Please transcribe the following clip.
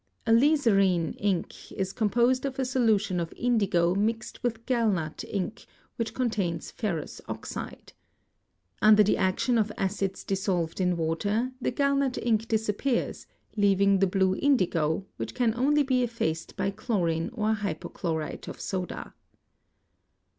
" Alizarine" ink is composed of a solution of indigo mixed with gallnut + ink, which contains ferrous oxide. Under the action of acids dissolved ) in water, the gallnut ink disappears, leaving the blue indigo, which can ' only be effaced by chlorine or hypochlorite of soda.